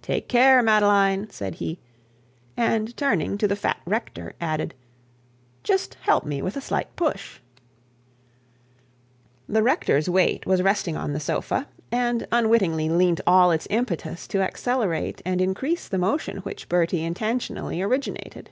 'Take care, Madeline,' said he; and turning to the fat rector, added, 'Just help me with a slight push.' The rector's weight was resting on the sofa, and unwittingly lent all its impetus to accelerate and increase the motion which Bertie intentionally originated.